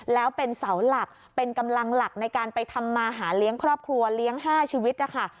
แล้วเป็นเสาหลักเป็นกำลังหลักในการไปทำมาหาเลี้ยงครอบครัวเลี้ยง๕ชีวิตนะคะ